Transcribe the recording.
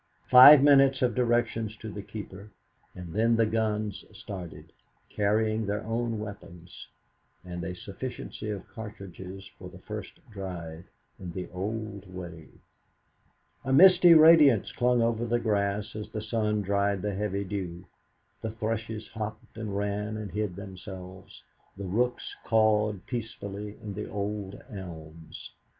Five minutes of directions to the keeper, and then the guns started, carrying their own weapons and a sufficiency of cartridges for the first drive in the old way. A misty radiance clung over the grass as the sun dried the heavy dew; the thrushes hopped and ran and hid themselves, the rooks cawed peacefully in the old elms.